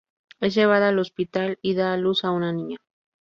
Es llevada al hospital y da a luz a una niña.